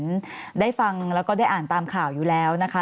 ฉันได้ฟังแล้วก็ได้อ่านตามข่าวอยู่แล้วนะคะ